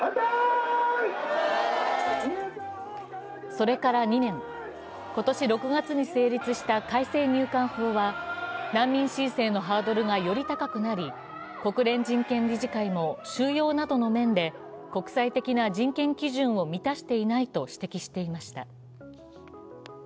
それから２年、今年６月に成立した改正入管法は難民申請のハードルがより高くなり国連人権理事会も収容などの面で国際的な人権基準を満たしていないと指摘していました。